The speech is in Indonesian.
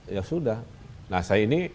ya sudah nah saya ini